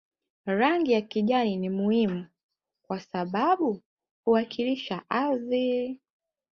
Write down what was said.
Rangi ya kijani ni muhimu kwa sababu huwakilisha ardhi